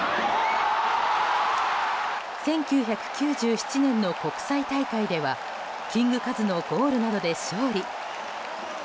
１９９７年の国際大会ではキングカズのゴールなどで勝利。